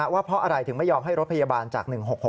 ว่าเพราะอะไรถึงไม่ยอมให้รถพยาบาลจาก๑๖๖